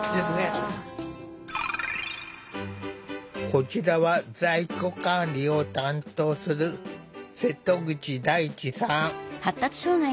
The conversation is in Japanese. こちらは在庫管理を担当する瀬戸口大地さん。